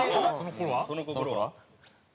その心は？